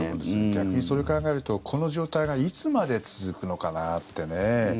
逆にそう考えるとこの状態がいつまで続くのかなってね。